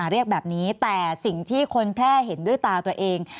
เรียกแบบนี้แต่สิ่งที่คนแพร่เห็นด้วยตาตัวเอง